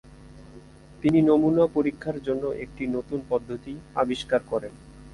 তিনি নমুনা পরীক্ষার জন্য একটি নতুন পদ্ধতি আবিষ্কার করেন।